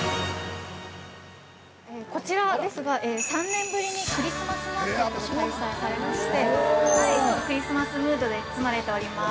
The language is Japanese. ◆こちらですが３年ぶりにクリスマスマーケットが開催されましてクリスマスムードで包まれております。